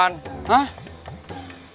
yang ngajar otoy perempuan